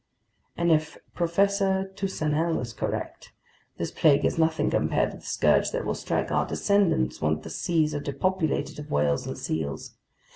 And if Professor Toussenel is correct, this plague is nothing compared to the scourge that will strike our descendants once the seas are depopulated of whales and seals.